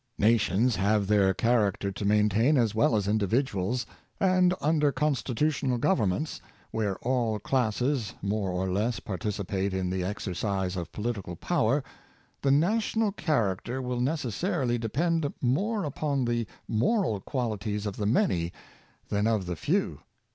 Nations have their character to maintain as well as individuals, and under constitutional goverments — 6 82 Character of Nations, where all classes more or less participate in the exer cise of political power — the national character will ne cessarily depend more upon the moral qualities of the many than of the few.